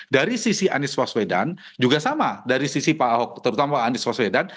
dari sisi anies waswedan juga sama dari sisi pak ahok terutama anies waswedan